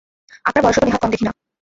আপনার বয়সও তো নেহাত কম দেখি না।